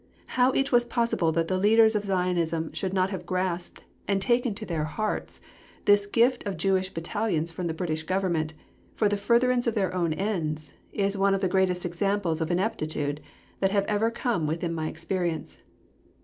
How it was possible that the leaders of Zionism should not have grasped, and taken to their hearts, this gift of Jewish Battalions from the British Government, for the furtherance of their own ends, is one of the greatest examples of ineptitude that have ever come within my experience.